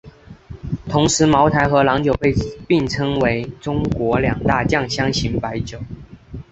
同时茅台和郎酒并称为中国两大酱香型白酒。